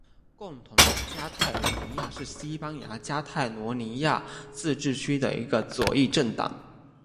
共同的加泰罗尼亚是西班牙加泰罗尼亚自治区的一个左翼政党。